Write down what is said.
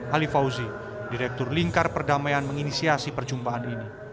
ali fauzi direktur lingkar perdamaian menginisiasi perjumpaan ini